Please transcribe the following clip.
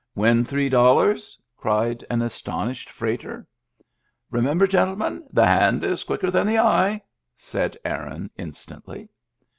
"Win three dollars?'* cried an astonished freighter. " Remember, gentlemen, the hand is quicker than the eye," said Aaron, instantly.